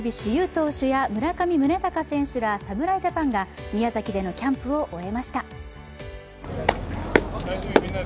投手や村上宗隆選手ら侍ジャパンが宮崎でのキャンプを終えました。